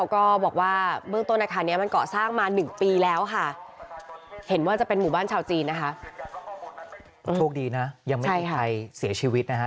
โชคดีนะยังไม่มีใครเสียชีวิตนะคะ